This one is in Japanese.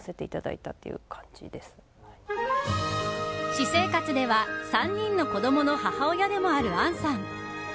私生活では３人の子供の母親でもある杏さん。